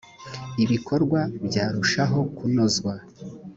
ibikorwa byarushaho kunozwa